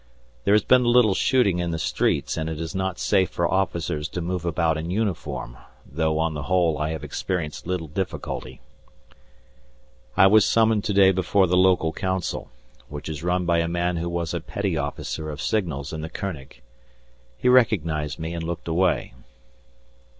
There has been a little shooting in the streets, and it is not safe for officers to move about in uniform, though, on the whole, I have experienced little difficulty. I was summoned to day before the Local Council, which is run by a man who was a Petty Officer of signals in the König. He recognized me and looked away.